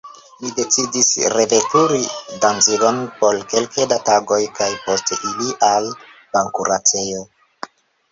Mi decidis reveturi Danzigon por kelke da tagoj kaj poste iri al bankuracejo.